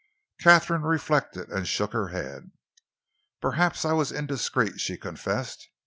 Katharine reflected and shook her head. "Perhaps I was indiscreet," she confessed.